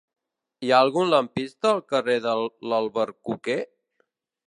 Hi ha algun lampista al carrer de l'Albercoquer?